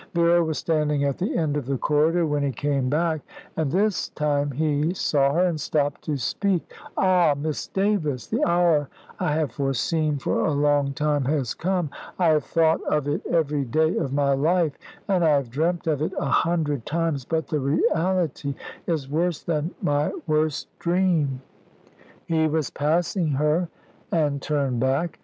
Vera was standing at the end of the corridor when he came back, and this time he saw her, and stopped to speak. "Ah, Miss Davis, the hour I have foreseen for a long time has come. I have thought of it every day of my life, and I have dreamt of it a hundred times; but the reality is worse than my worst dream." He was passing her, and turned back.